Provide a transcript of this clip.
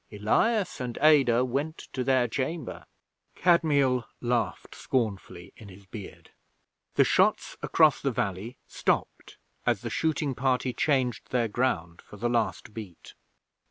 Elias and Adah went to their chamber.' Kadmiel laughed scornfully in his beard. The shots across the valley stopped as the shooting party changed their ground for the last beat.